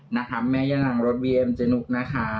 นะครับแม่ยะหนังรถวีเอ็มเจนุกนะคะ